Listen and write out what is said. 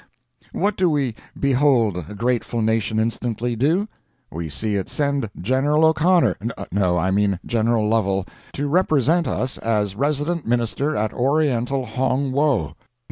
What do we behold a grateful nation instantly do? We see it send General O'Connor—no, I mean General Lovel—to represent us as resident minister at oriental Hong Wo!